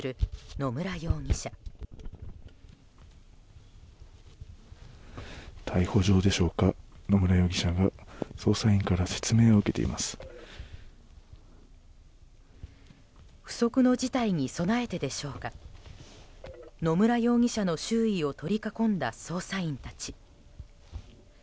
野村容疑者の周囲を取り囲んだ捜査員たち。